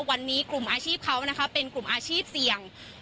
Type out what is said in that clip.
วันนี้กลุ่มอาชีพเขานะคะเป็นกลุ่มอาชีพเสี่ยง